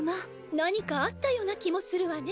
何かあったような気もするわね